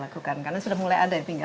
karena sudah mulai ada